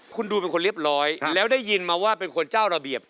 คุณดูเป็นคนเรียบร้อยแล้วได้ยินมาว่าเป็นคนเจ้าระเบียบ